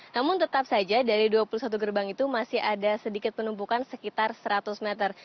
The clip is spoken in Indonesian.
namun tetap saja dari dua puluh satu gerbang itu masih ada sedikit penumpukan sekitar seratus meter